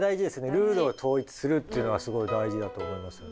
ルールを統一するっていうのはすごい大事だと思いますね。